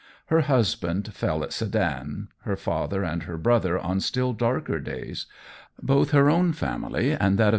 Her husband fell at Sedan, her father and her brother on still darker days ; both her own family and that of M.